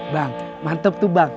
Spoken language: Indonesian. bang mantep tuh bang